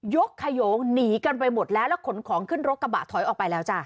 ขยงหนีกันไปหมดแล้วแล้วขนของขึ้นรถกระบะถอยออกไปแล้วจ้ะ